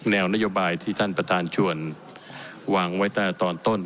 แนวนโยบายที่ท่านประธานชวนวางไว้ตั้งแต่ตอนต้น